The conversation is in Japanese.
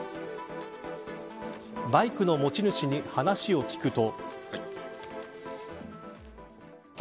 バイクの持ち主に話を聞くと。